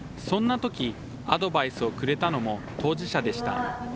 そんなとき、アドバイスをくれたのも当事者でした。